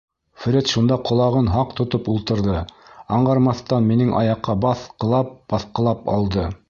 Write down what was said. Фред шунда ҡолағын һаҡ тотоп ултырҙы, аңғармаҫтан минең аяҡҡа баҫҡылап-баҫҡылап алды.